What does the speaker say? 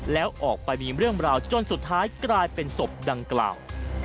แล้วออกไปมีเรื่องราวจนสุดท้ายกลายเป็นศพดังกล่าว